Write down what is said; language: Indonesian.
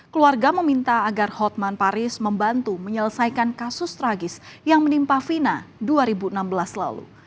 keluarga meminta agar hotman paris membantu menyelesaikan kasus tragis yang menimpa fina dua ribu enam belas lalu